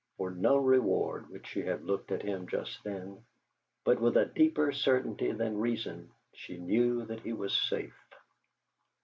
For no reward would she have looked at him just then, but with a deeper certainty than reason she knew that he was safe.